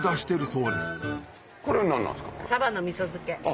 サバのみそ漬け。